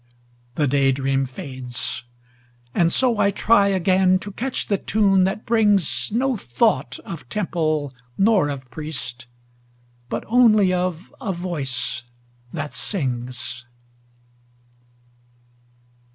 The day dream fades and so I try Again to catch the tune that brings No thought of temple nor of priest, But only of a voice that sings.